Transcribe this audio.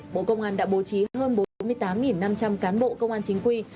bộ công an đã bố trí hơn bốn mươi tám năm trăm linh cán bộ công an chính quy